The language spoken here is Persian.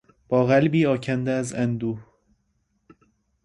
با قلبی آکنده از اندوه